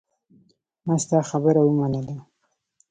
ما ستا خبره ومنله.